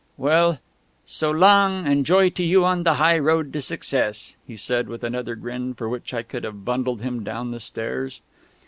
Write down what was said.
"Well, so long, and joy to you on the high road to success," he said with another grin for which I could have bundled him down the stairs....